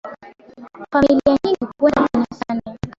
Familia nyingi huenda kanisani